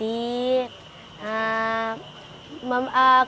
itu harus dari hati